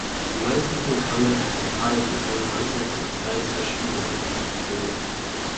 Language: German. Die meisten Programme enthalten eine Anzahl von Styles verschiedener Musikrichtungen.